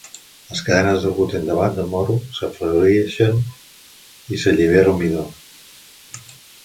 Les cadenes de gluten del blat de moro s'afebleixen i s'allibera el midó.